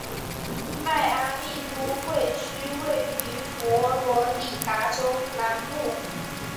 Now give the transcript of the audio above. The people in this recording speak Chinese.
迈阿密都会区位于佛罗里达州南部。